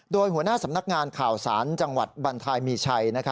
โดยหัวหน้าสำนักงานข่าวสารจังหวัดบรรทายมีชัย